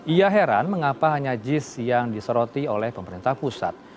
ia heran mengapa hanya jis yang disoroti oleh pemerintah pusat